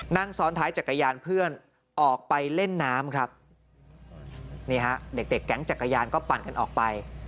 นั่งซ้อนท้ายจักรยานเพื่อนออกไปเล่นน้ำครับนี่ฮะเด็กเด็กแก๊งจักรยานก็ปั่นกันออกไป